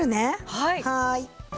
はい。